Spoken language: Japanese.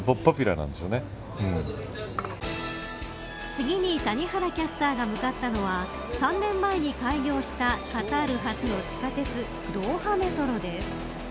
次に谷原キャスターが向かったのは３年前に開業したカタール初の地下鉄ドーハ・メトロです。